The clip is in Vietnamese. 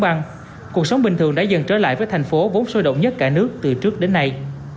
văn cuộc sống bình thường đã dần trở lại với thành phố vốn sôi động nhất cả nước từ trước đến nay